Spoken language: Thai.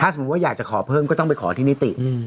สมมุติว่าอยากจะขอเพิ่มก็ต้องไปขอที่นิติ